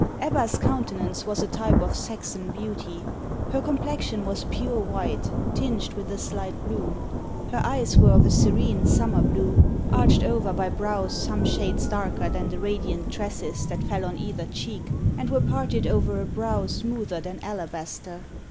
Ebba's countenance was a type of Saxon beauty. Her complexion was pure white, tinged with a slight bloom. Her eyes were of a serene summer blue, arched over by brows some shades darker than the radiant tresses that fell on either cheek, and were parted over a brow smoother than alabaster.